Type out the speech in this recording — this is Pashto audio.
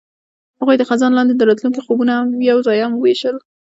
هغوی د خزان لاندې د راتلونکي خوبونه یوځای هم وویشل.